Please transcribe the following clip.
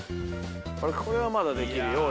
「これはまだできるよ俺」